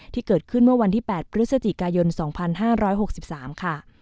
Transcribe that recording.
ที่เกิดขึ้นเมื่อวันที่๘พฤศจิกายน๒๕๖๓ค่ะ